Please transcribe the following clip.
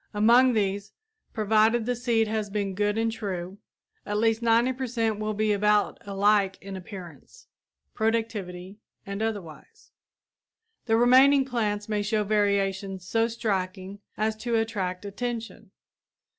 Among these, provided the seed has been good and true, at least 90 per cent will be about alike in appearance, productivity and otherwise. The remaining plants may show variations so striking as to attract attention.